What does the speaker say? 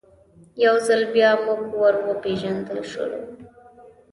یو ځل بیا موږ ور وپېژندل سولو.